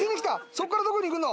そっからどこに行くの？